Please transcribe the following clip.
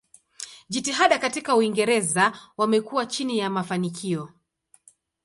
Jitihada katika Uingereza wamekuwa chini ya mafanikio.